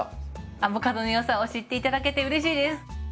アボカドの良さを知って頂けてうれしいです！